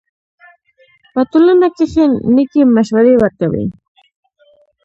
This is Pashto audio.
په ټولنه کښي نېکي مشورې ورکوئ!